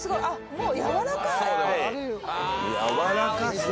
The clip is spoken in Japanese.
もう。